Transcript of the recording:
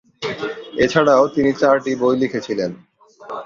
এছাড়াও তিনি চারটি বই লিখেছিলেন।